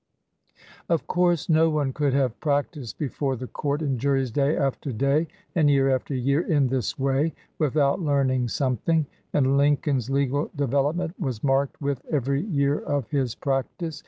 Of course no one could have practised before the court and juries day after day and year after year in this way without learning something, and Lincoln's legal development was marked with every year of his practice.